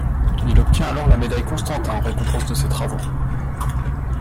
Il obtient alors la Médaille Constantin en récompense de ses travaux.